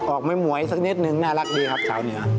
ไม่หมวยสักนิดนึงน่ารักดีครับชาวเหนือ